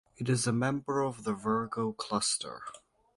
It is a member of the Virgo Cluster.